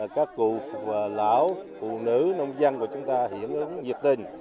các cụ lão phụ nữ nông dân của chúng ta hưởng ứng nhiệt tình